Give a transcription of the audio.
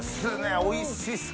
おいしそう！